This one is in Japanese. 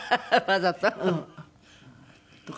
わざと？